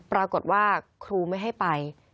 ปรากฏว่าครูไม่ให้ไป